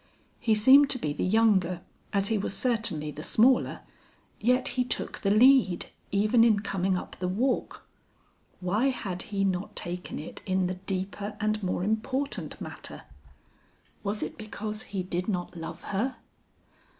He seemed to be the younger as he was certainly the smaller; yet he took the lead, even in coming up the walk. Why had he not taken it in the deeper and more important matter? Was it because he did not love her?